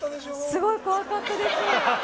すごい怖かったです。